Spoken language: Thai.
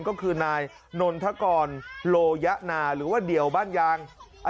ก็คือนายนนทกรโลยะนาหรือว่าเดี่ยวบ้านยาง